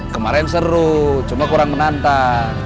kemarin seru cuma kurang menantang